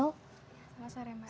selamat sore mbak